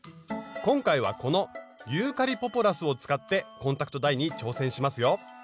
今回はこのユーカリ・ポポラスを使ってコンタクトダイに挑戦しますよ。